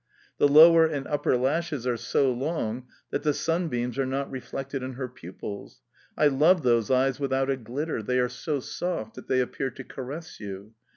The lower and upper lashes are so long that the sunbeams are not reflected in her pupils. I love those eyes without a glitter, they are so soft that they appear to caress you.